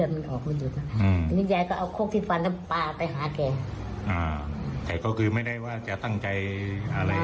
ไม่อยากจะกลับหาใครแต่ก็คือไม่ได้ว่าจะตั้งใจาคุณ